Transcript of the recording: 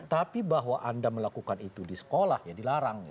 tapi bahwa anda melakukan itu di sekolah ya dilarang